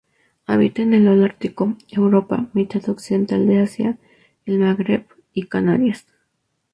Habita en el holártico: Europa, mitad occidental de Asia, el Magreb y Canarias.